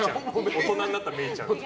大人になったメイちゃん。